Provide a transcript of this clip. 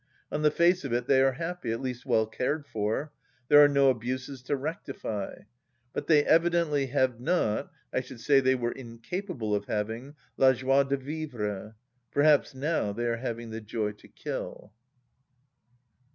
On the face of it they are happy, at least well cared for. There are no abuses to rectify. But they evidently have not — I should say they were incapable of having — la joie de vivre. Perhaps now they are having the joy to kill.